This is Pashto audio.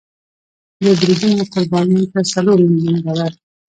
د بریدونو قربانیانو ته څلور میلیون ډالر